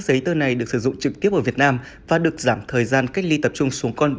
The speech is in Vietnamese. giấy tờ này được sử dụng trực tiếp ở việt nam và được giảm thời gian cách ly tập trung xuống con